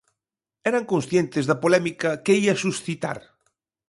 Eran conscientes da polémica que ía suscitar?